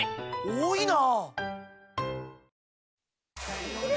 多いな！